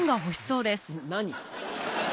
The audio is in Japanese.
何？